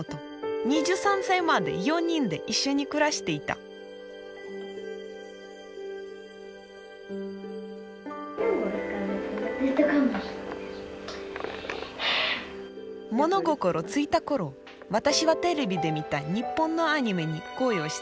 ２３歳まで４人で一緒に暮らしていた物心付いたころ私はテレビで見た日本のアニメに恋をした。